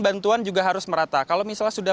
bantuan juga harus merata kalau misalnya sudah